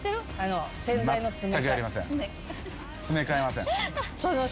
詰め替えません。